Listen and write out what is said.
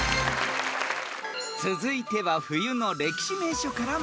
［続いては冬の歴史名所から問題］